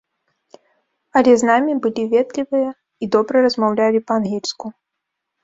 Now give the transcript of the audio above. Але з намі былі ветлівыя і добра размаўлялі па-ангельску.